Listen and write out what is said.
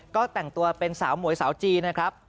ก็แต่งตัวเป็นสาวหมวยสาวจีนนะครับ